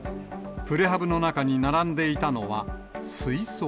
プレハブの中に並んでいたのは、水槽。